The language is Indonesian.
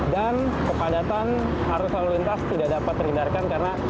dan kepadatan harus selalu lintas tidak dapat terhindarkan karena